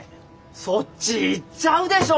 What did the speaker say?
そっち行っちゃうでしょ！